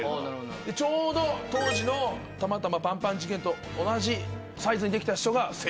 ちょうど当時のタマタマパンパン事件と同じサイズにできた人が成功という。